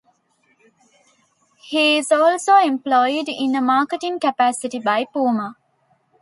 He is also employed in a marketing capacity by Puma.